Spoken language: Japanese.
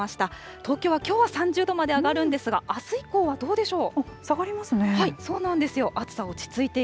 東京はきょうは３０度まで上がるんですが、あす以降はどうでしょう。